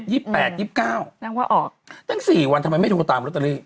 ๒๖๒๗๒๘๒๙นั่งว่าออกนั่งสี่วันทำไมไม่ถูกตามอตเตอรี่